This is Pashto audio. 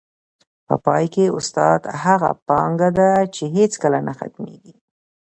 په پای کي، استاد هغه پانګه ده چي هیڅکله نه ختمېږي.